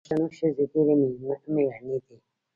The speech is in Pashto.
د پښتنو ښځې ډیرې میړنۍ دي.